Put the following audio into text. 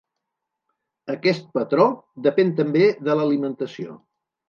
Aquest patró depèn també de l'alimentació.